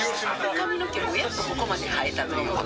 髪の毛もやっと、ここまで生えた。